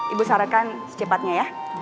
ibu sarankan secepatnya ya